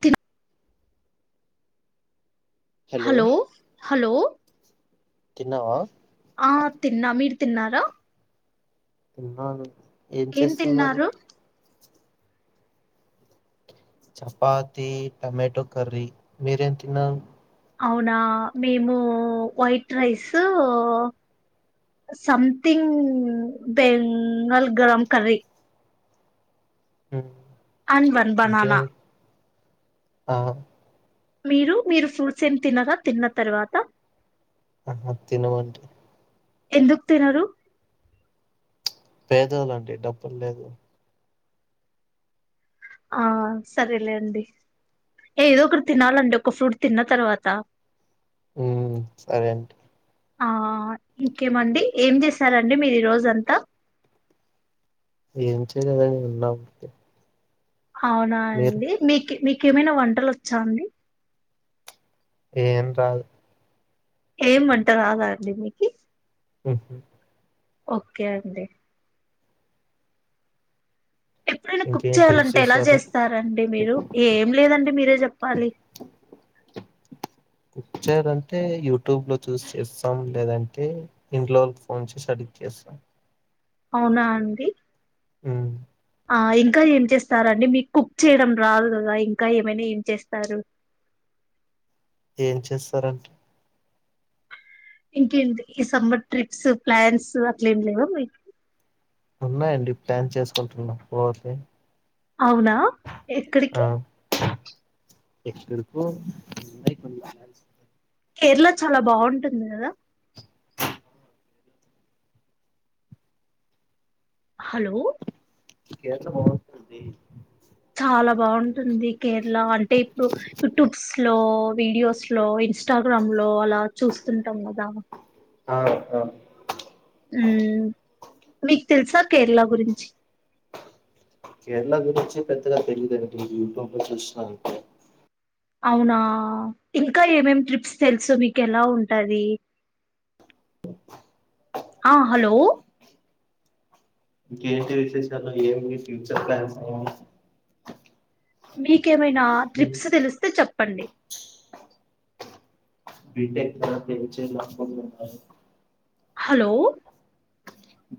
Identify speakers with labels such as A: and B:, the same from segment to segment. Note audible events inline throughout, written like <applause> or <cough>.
A: తిన. Hello hello.
B: తిన్నావా
A: ఆ తిన్నా మీర్. తిన్నారా.
B: తిన్నాను.
A: ఏం తిన్నారు.
B: చపాతి టమాటో కర్రీ మీరేం తిన్నారు.
A: అవునా మేము white rice something Bengal garam curry
B: హ
A: అండ్ వన్ బననా
B: ఆ
A: మీరు మీరు ఫ్రూట్స్ ఏం తినరా తిన్న తర్వాత
B: ఆహా తినమండి
A: ఎందుకు తినరు
B: పేదోలండి డబ్బులు లేదు
A: ఆ సరేలే అండి ఏదో ఒకటి తినాలండి ఒక ఫ్రూట్ తిన్న తర్వాత
B: ఉ సరెండి
A: ఆ ఇంకేమండి ఏం చేస్తారండి మీరు ఈ రోజ అంతా
B: ఏం చేయలేదండి ఉన్నా అంతే
A: అవునా అండి మీకు మీకు కే ఏమైనా వంటలు వచ్చా అండి
B: ఏమి రావు
A: ఏం వంట రాదా అండి మీకి
B: హ
A: ఓకే అండి ఎప్పుడైనా కుక్
B: ఇంకేంటి
A: చేయాలంటే ఎలా
B: విశేషాలు
A: చేస్తరండి మీరు, ఏం లేదండి మీరే చెప్పాలి
B: కుక్ చేయాలంటే యూట్యూబ్ లో చూసి చేస్తాం లేదంటే ఇంట్లోళ్ళకి ఫోన్ చేసి అడిగి చేస్తాం
A: అవునా అండి
B: అ
A: ఆ ఇంకా ఏం చేస్తారండి మీకు కుక్ చేయడం రాదు కదా ఇంకా ఏమైనా ఏం చేస్తారు
B: ఏం చేస్తారండి
A: ఇంకేంటి ఈ సమ్మర్ ట్రిప్స్ ప్లాన్స్ అట్లే ఏం లేదా మీకు
B: ఉన్నాయండి ప్లాన్స్ వేసుకుంటున్నా పోవాలి
A: అవునా ఎక్కడికి
B: ఎక్కడికో
A: కేరళ చాలా బాగుంటుంది కదా హలో
B: కేరళ బాగుంటుంది
A: చాలా బాగుంటుంది కేరళ అంటే ఇప్పుడు యూట్యూబ్స్ లో వీడియోస్ లో ఇన్స్టాగ్రామ్ లో అలా చూస్తుంటాం కదా
B: ఆ అవును
A: ఉ మీకు తెలుసా కేరళ గురించి
B: కేరళ గురించి పెద్దగా తెలీదు యూట్యూబ్లో చూసినా అంతే
A: అవునా ఇంకా ఏమేం ట్రిప్స్ తెలుసు మీకు ఎలా ఉంటాది ఆ హలో
B: ఇంకేంటి విశేషాలు ఏమి ఫ్యూచర్ ప్లాన్స్ ఏ
A: మీ ఏమైనా ట్రిప్స్ తెలిస్తే చెప్ చెప్పండి
B: బిటెక్ తర్వాత ఏం చేయాలో అర్థం కాలేదు నాకు
A: హలో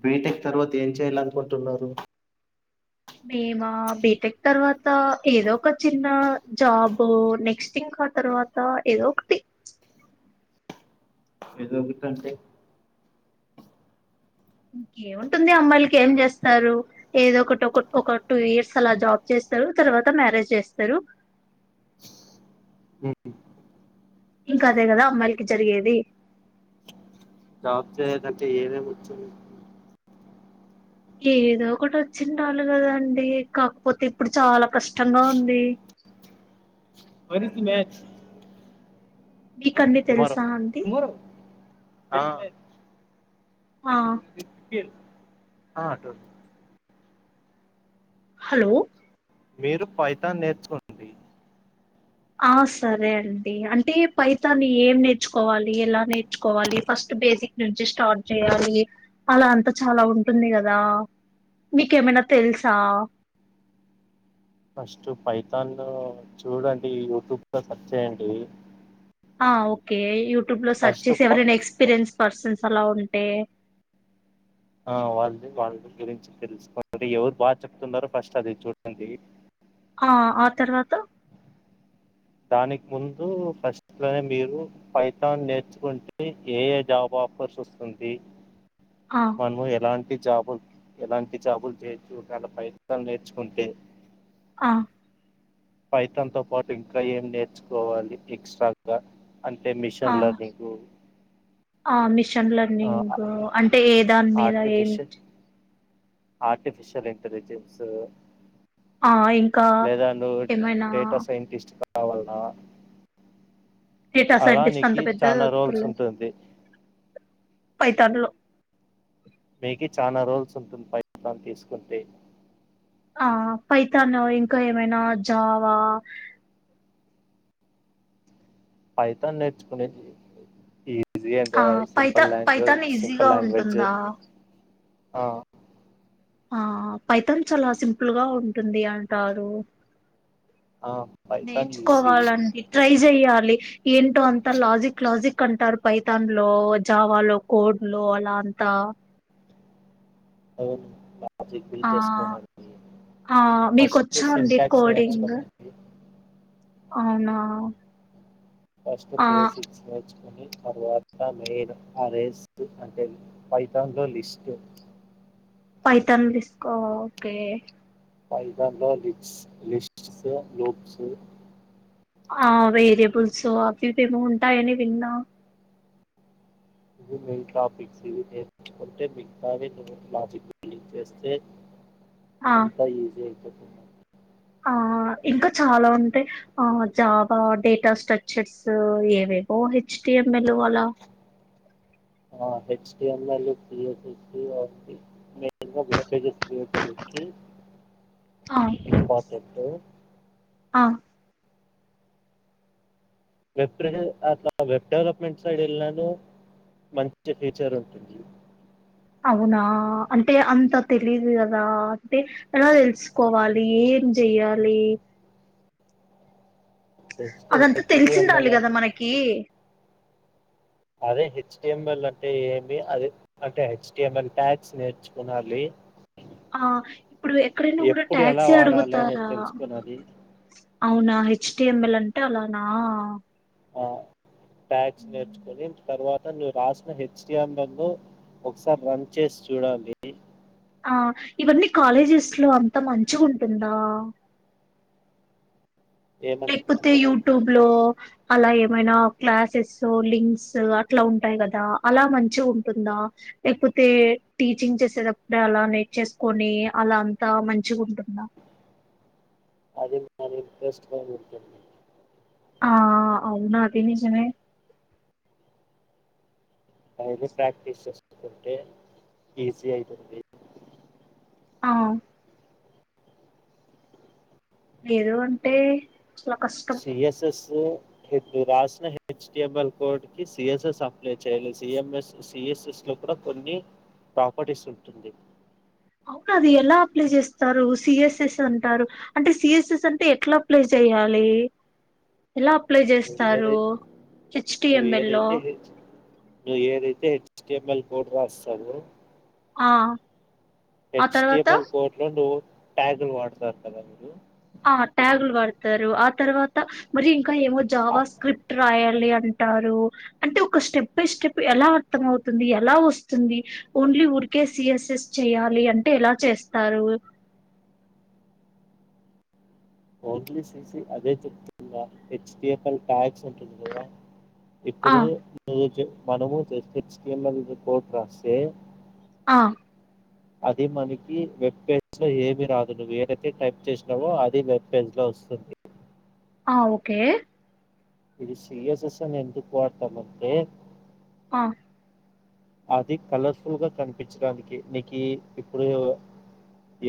B: బీటెక్ తర్వాత ఏం చేయాలనుకుంటున్నారు
A: మేమా బిటెక్ తర్వాత ఏదో ఒక చిన్న జాబ్ నెక్స్ట్ ఇంకా ఆ తర్వాత ఏదో ఒకటి
B: రోజు ఫ్యాన్స్డే
A: ఇంకేముంటుంది అమ్మాయిలకి ఏం చేస్తారు ఏదో ఒకటి ఒక ఒక టూ ఇయర్స్ అలా జాబ్ చేస్తారు తర్వాత మ్యారేజ్ చేస్తారు ఇంకా అదే కదా అమ్మాయికి జరిగేది
B: జాబ్ చేయదంటే ఏదేమ్ వచ్చు
A: ఏదో ఒకటి వచ్చి ఉండాలి కదాండి కాకపోతే ఇప్పుడు చాలా కష్టంగా ఉంది
B: వారితీ మ్యాచ్
A: మీక అన్ని తెలుసా అండి
B: ఆ
A: ఆ
B: హా తెల్సు
A: హలో
B: మీరు పైథాన్ నేర్చుకోండి
A: ఆ సరే అండి అంటే పైతాన్ని ఏం నేర్చుకోవాలి. ఎలా నేర్చుకోవాలి. ఫస్ట్ బేసిక్ నుంచి స్టార్ట్ చేయాలి అలా అంత చాలా ఉంటుంది కదా మీకేమైనా తెలుసా
B: ఫస్ట్ పైథాన్ చూడండి యూట్యూబ్ లో సర్చ్ చేయండి
A: ఆ ఓకే యు ట్యూబ్ లో సర్చ్
B: ఫస్ట్
A: చేసి
B: ప
A: ఎవైనా ఎస్పీరియన్స్ పర్సన్స్ అలా ఉంటే
B: ఆ వాళ్ళది వాళ్ళ గురించి తెలుసుకోండి ఎవరు బాగా చెప్తున్నారో ఫస్ట్ అది చూడండి
A: ఆ ఆ తర్వాత
B: దానికి ముందు ఫస్ట్ లోనే మీరు పైథాన్ నేర్చుకుంటే ఏ ఏ జాబ్ ఆఫర్స్ వస్తుంది
A: ఆ
B: మనము ఎలాన్ జాబులు ఎలాంటి జాబులు చేయొచ్చు ఒక వేలా పైథాన్ నేర్చుకుంటే
A: ఆ
B: పైథాన్తో పాటు ఇంకా ఏం నేర్చుకోవాలి ఎక్స్ట్రాగా అంటే
A: ఆ
B: మిషన్ లెర్నింగ్
A: షన్ లర్నింగ్ అంటే ఏ దాని మీద ఏం
B: ఆర్టిఫిషిల్ ఇంటలిజెన్స్
A: ఆ ఇం
B: లేదా నువ్వు డేటా సైంటిస్ట్ ఆ కావాలనా
A: డేటా సైంటిస్ట్ అంత పెద్దది
B: రోల్స్
A: వద్దులే
B: ఉంటుంది
A: పైథాన్ లో
B: మీకి చాలా రోజల్స్ ఉంటుంది పైథాన్ తీసుకుంటే
A: ఆ పైథాన్ ఇంకా ఏమైనా జావా
B: పైథాన్ నేర్చుకునేది ఈ
A: ఆ పైత పైథాన్
B: సింపుల్
A: ఈజీగా
B: లాంగ్వేజ్
A: ఉంటుందా
B: ఆ
A: ఆ పైథాన్ చాలా సింపుల్ గా ఉంటుంది అంటారు
B: ఆ పైథాన్ ఈజీ
A: నేర్చుకోవాలండి ట్రై చెయ్యాలి ఏంటో అంతా లాజిక్ లాజిక్ అంటారు పైథాన్ లో జావాలో కోడ్ లో అలా అంత
B: అవును ఆ కి బిల్
A: ఆ
B: చేసుకోడానికి
A: ఆ
B: ఫస్ట్
A: మీకొచ్చా అండి
B: సింటాక్స్
A: కోడింగ్
B: నేర్చుకున్నాండి
A: అవునా
B: ఫస్ట్
A: ఆ
B: బేసిక్స్ నేర్చు తర్వాత మెయిన్ ఆరేస్ అంటే పైథాన్లో లిస్ట్
A: పైథాన్ తీస్కో ఓకే
B: పైథాన్ లో లిస్స్ లిస్ట్స్ లోక్స్
A: ఆ వేరియబుల్స్ అవి ఇవి ఏమో ఉంటాయని విన్నా
B: ఇవి మెయిన్ టాపిక్స్ ఇవి నేర్చుకుంటే మిగతావినే నేను లాజిక్ బిల్డింగ్ చేస్తే
A: ఆ
B: అంతా ఈజీ అయితది
A: ఆ ఇంకా చాలా ఉంటాయి ఆ జాబా డేటా స్ట్రక్చర్స్ ఏవేవో హెచ్టిఎంఎల్ అలా
B: ఆ హెచ్ డి అల్ పఎస్స్ <unintelligible> వెబ్ పేజెస్
A: ఆ
B: ఇంపార్టెంట్
A: ఆ
B: వెబ్ అట్లా వెబ్ డెవలప్మెంట్ సైడ్ వెళ్ళను మంచి ఫీచర్ ఉంటుంది
A: అవునా అంటే అంత తెలీదు కదా అే ఎలా తెలుసుకోవాలి ఏం చెయ్యాలి
B: జస్ట్
A: అదంతా తెలిసిండాలి
B: హెచ్టిఎంఎల్
A: కదా
B: అంటే
A: మనకి
B: అదే హెచ్టిఎంఎల్ అంటే ఏమి అదే అంటే హెచ్టిఎంఎల్ ట్యాక్స్ నేర్చుకునాలి
A: ఆ ఇప్పుడు ఎక్కడైనా కూడా
B: ఎప్పుడు ఎలా
A: టాక్సీ
B: వాడాలి అనేది
A: అడుగుతారా
B: తెలుసుకున్నది
A: అవునా హెచ్టిఎంఎల్ అంటే అలానా
B: ఆ ట్యాక్స్ నేర్చుకుొని తర్వాత అత ను రాసిన హెచ్ఎంలను ఒకసారి రన్ చేసి చూడాలి
A: ఆ ఇవన్నీ కాలేజెస్ లో అంతా మంచిగా ఉంటుందా
B: ఏమని
A: లేకపోతే
B: అంటే
A: యూట్యూబ్ లో అలా ఏమైనా క్లాసెస్ లింక్స్ అట్లా ఉంటాయి కదా అలా మంచి ఉంటుందా లేకపోతే టీచింగ్ చేసేటప్పుడే అలా నెట్ చేసుకొని అలా అంతా మంచి ఉంటుందా
B: అది అది టెస్ట్
A: ఆ అవునాదిని చెనే
B: అయితే ప్రాక్టీస్ చేస్తారు అతుంటే ఈజీ అవుతుంది
A: ఆ ఏదో అంటే చాలా కష్టం
B: హ రాసిన హెచ్డిఎంఎల్ కోడ్కి సిఎస్ఎస్ అప్లై చేయాలి సఎంఎస్ సిఎస్ఎస్లో కూడా కొన్ని ప్రాపర్టీస్ ఉంటుంది
A: అది ఎలా అప్లై చేస్తారు సిఎస్ఎస్ అంటారు అంటే సిఎస్ఎస్ అంటే ఎట్లా అప్లై చేయాలి ఎలా అప్లై
B: నువ్వు
A: చేస్తారు
B: ఏదై నువ్వు
A: హెచ్టిఎంఎల్లో
B: ఏదైతే స్టేబుల్ కోడ్ రాస్తారు
A: ఆ ఆ తర్వాత
B: హెచ్టిఎమ్ల కోడ్లలు ట్యాగలు వాడతారు కదా మీరు
A: ఆ ట్యాగులు వాడతారు ఆ తర్వాత మరి కానీ ఏమో జావా స్క్రిప్ట్ రాయ అంటారు అంటే ఒక స్టెప్ బై స్టెప్ ఎలా అర్థం అవుతుంది ఎలా వస్తుంది ఓన్లీ ఊరికే సిఎస్ఎస్ చేయాలి అంటే ఎలా చేస్తారు
B: ఓన్లీ సి సి అదే చెప్తుంది హెచ్టిఎమ్ల టాగ్స్ ఉంటుంది కదా
A: ఆ
B: ఇప్పుడు రోజు మనము జెచ్ హెచ్టిఎమ్ యల్ కోడు రాస్తే
A: ఆ
B: అది మనకి వెబ్ పేజ్ లో ఏమి రాదు నువ్వు ఏదైతే టైప్ చేసినావో అది వెబ్ పెట్లా వస్తది
A: ఆ ఓకే
B: ఇది సిఎస్ఎస్ అని ఎందుకు వాడతారంటే
A: ఆ
B: అది కలర్ఫుల్ గా కనిపించడానికి నీకు ఇప్పుడు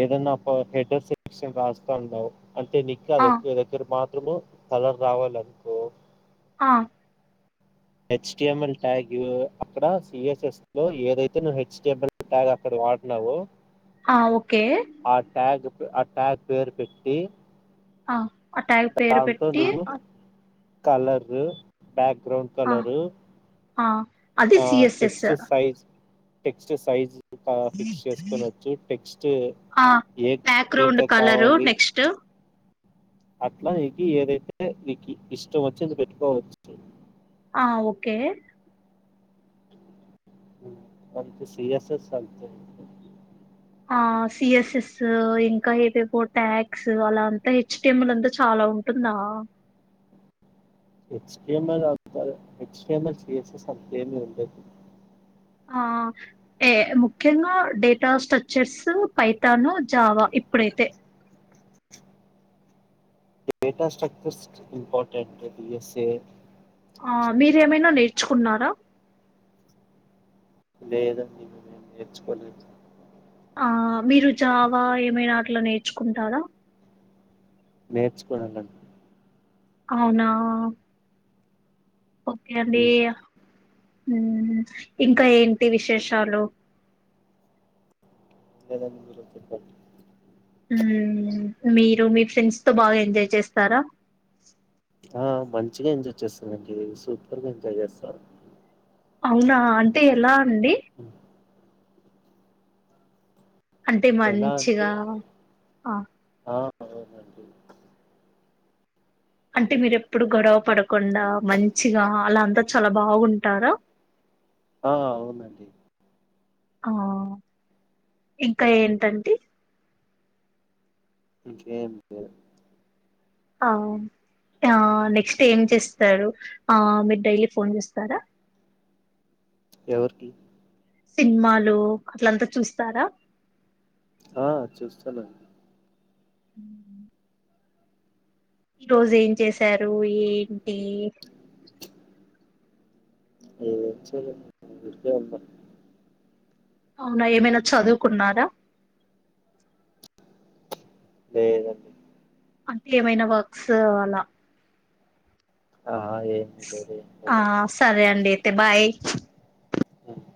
B: ఏదైనా హెడర్ సెక్షన్ రాస్తా ఉన్నావు అంటే నికా
A: ఆ
B: దొక్క దగ్గర మా ఇప్పుడు తలాం రావాలనుకో
A: ఆ
B: హెచ్టిఎంఎల్ ట్యాగ్ అక్కడ సిఎస్ఎస్ లో ఏదైతే ను హెచ్ఎంల్ ట్యాగ్ అక్కడ వాడినావో
A: ఆ ఓకే
B: అ ట్యాగ్ పేరు పెట్టి
A: ఆ అ ట్యాగ్ పేరు
B: దాంతో
A: పెట్టి
B: నువ్వు కలరు బ్యాక్గ్రౌండ్
A: ఆ
B: కలరు
A: ఆ అది
B: ఆ
A: CSS
B: text size text size fix చేసుకునొచ్చు టెక్స్ట్
A: ఆ
B: ఏ
A: బ్యాక్గ్రౌండ్
B: దీంతో
A: కలరు
B: కావాలి
A: నెక్స్ట్
B: అట్లా నీకు ఏదైతే నీకు ఇష్టం వచ్చింది పెట్టుకోవచ్చు
A: ఆ ఓకే
B: అంత సీ యస్ యాస్ చల్తు
A: ఆ సిఎస్ఎస్ ఇంకా ఏవేవో టాగ్స్ అలా అంతా హెచ్టిఎంలంతా చాలా ఉంటుందా
B: హెచ్టిఎంఎల్ అంత హెచ్టిఎంఎల్ సిఎస్ఎస్ అంతేమీ ఉండదు
A: ఆ ఏ ముఖ్యంగా డేటా స్ట్రక్చర్స్ పైథాను జావా ఇప్పుడైతే
B: డేటా స్ట్రక్చర్స్ ఇంపార్టెంట్ వస్తే
A: చ్చుకున్నారా
B: లేదండి నేను నేర్చుకోలేదు
A: ఆ మీరు జావా ఏమైనా అట్లా నేర్చుకుంటారా
B: నేర్చుకోనాలండి
A: అవునా ఓకే అండి ఊ ఇంకా ఏంటి విశేషాలు
B: ఏదన్న మీరే చెప్పాలి.
A: ఊ మీరు మీ ఫ్రెండ్స్ తో బాగా ఎంజాయ్ చేస్తారా
B: ఆ మంచిగా ఎంజాయ్ చేస్తానండి సూపర్గా ఎంజాయ్ చేస్తాను.
A: అవునా అంటే ఎలా అండి.
B: హ్మ్.
A: అంటే
B: ఎలా అంటే
A: మంచిగా ఆ
B: ఆ అవునండి.
A: అంటే మీరు ఎప్పుడు గొడవ పడకుండా మంచిగా అలాంతా చాలా బాగుంటారా
B: ఆ అవునండి.
A: ఆ ఇంకా ఏంటంటే
B: ఇంక ఏం లేదు
A: ఆ ఆ నెక్స్ట్ ఏం చేస్తారు. ఆ మీరు డైలీ ఫోన్ చేస్తారా.
B: ఎవరికి
A: సినిమాలు అట్లంతా చూస్తారా
B: ఆ చూస్తానండి.
A: హు ఈ రోజు ఏం చేసారు ఏంటి
B: ఏం చేయలేదు ఊరికే ఉన్న
A: అవునా ఏమైనా చదువుకున్నారా
B: లేేదండి.
A: అంటే ఏమైనా వర్క్స్ అలా
B: ఆహా ఏమి లేదు ఏం
A: ఆ సరే అండి. అయితే బాయ్
B: ఆ